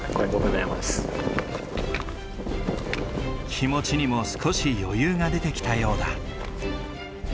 気持ちにも少し余裕が出てきたようだ。